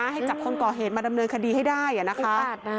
ให้จับคนก่อเหตุมาดำเนินคดีให้ได้นะคะ